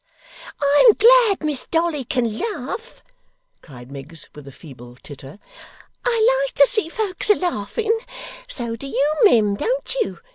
'I'm glad Miss Dolly can laugh,' cried Miggs with a feeble titter. 'I like to see folks a laughing so do you, mim, don't you?